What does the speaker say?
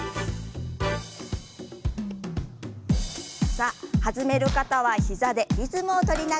さあ弾める方は膝でリズムを取りながら。